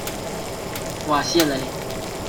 瓦谢雷。